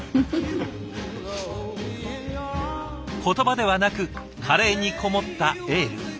言葉ではなくカレーにこもったエール。